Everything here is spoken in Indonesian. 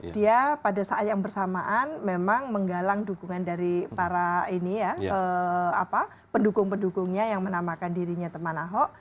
dia pada saat yang bersamaan memang menggalang dukungan dari para pendukung pendukungnya yang menamakan dirinya teman ahok